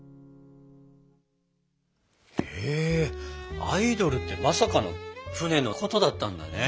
へえアイドルってまさかの船のことだったんだね。